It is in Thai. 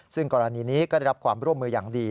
ซึ่งกรณีนี้ก็ได้รับความร่วมมืออย่างดี